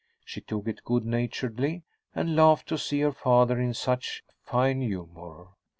She took it good naturedly, and laughed to see her father in such fine humor.